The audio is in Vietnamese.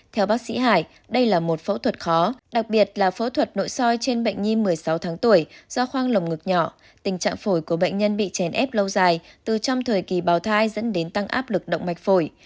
theo bác sĩ hải đây là một phẫu thuật khó đặc biệt là phẫu thuật nội soi trên bệnh nhi một mươi sáu tháng tuổi do khoang lồng ngực nhỏ tình trạng phổi của bệnh nhân bị chèn ép lâu dài từ trong thời kỳ bào thai dẫn đến tăng áp lực động mạch phổi